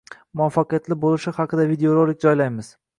muvaffaqiyatli bo‘lishi haqida videorolik joylaymiz.